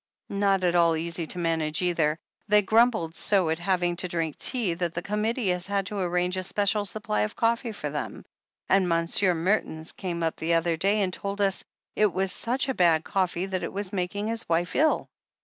"Not at all easy to manage, either. They grumbled so at having to drink tea, that the Committee has had to arrange a special supply of coffee for them — ^and Monsieur Mertens came up the other day and told us it was such bad coffee that it was making his wife ill.